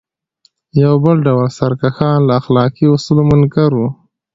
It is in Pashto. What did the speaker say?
یو بل ډول سرکښان له اخلاقي اصولو منکر وو.